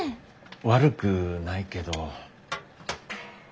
悪くないけど。